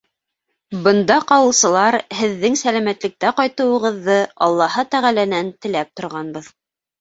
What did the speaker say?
Бында ҡалыусылар һеҙҙең сәләмәтлектә ҡайтыуығыҙҙы аллаһы тәғәләнән теләп торғанбыҙ.